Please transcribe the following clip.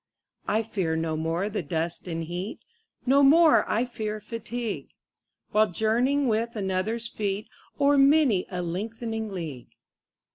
I fear no more the dust and heat, 25 No more I fear fatigue, While journeying with another's feet O'er many a lengthening league.